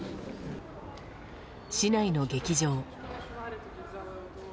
市内の劇場。